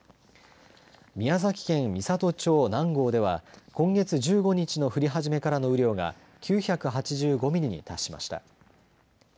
宮崎県美郷町南郷では、今月１５日の降り始めからの雨量が、９８５ミリに達しました。